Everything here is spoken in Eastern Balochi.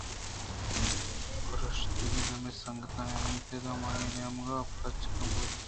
کرگُشک ہمے سنگتانی اُمیّتءَ ہماہانی نیمگ ءَ تچان بُوت